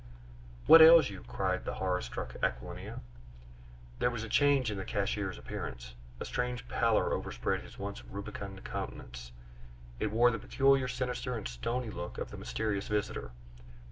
"What ails you?" cried the horror struck Aquilina. There was a change in the cashier's appearance. A strange pallor overspread his once rubicund countenance; it wore the peculiarly sinister and stony look of the mysterious visitor.